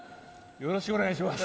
よろしくお願いします。